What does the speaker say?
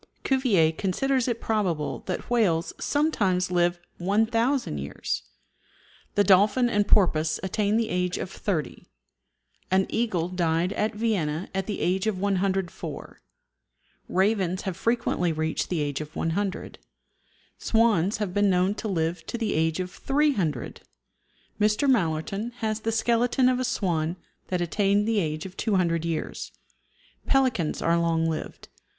Cuvier considers it probable that whales sometimes live 1000 years. The dolphin and porpoise attain the age of 30; an eagle died at Vienna at the age of 104; ravens have frequently reached the age of 100; swans have been known to live to the age of 300. Mr. Malerton has the skeleton of a swan that attained the age of 200 years. Pelicans are long lived.